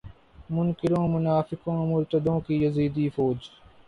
منکروں منافقوں مرتدوں کی یزیدی فوج